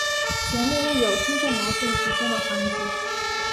节目亦有听众来信时间的环节。